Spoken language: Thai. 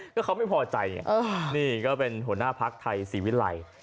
ก็เขาไม่พอใจนี่ก็เป็นหัวหน้าพักไทยศรีวิลัย